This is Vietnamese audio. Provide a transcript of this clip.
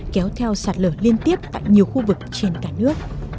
kéo theo sạt lở liên tiếp tại nhiều khu vực trên cả nước